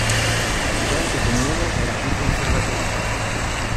La gente comune era più conservatrice.